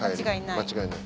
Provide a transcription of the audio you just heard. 間違いない。